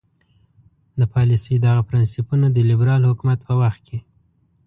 د پالیسۍ دغه پرنسیپونه د لیبرال حکومت په وخت کې.